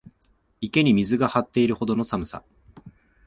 池に氷が張っているほどの寒さ